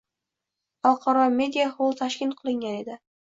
“Xalqaro media xol”tashkil qilingan edi.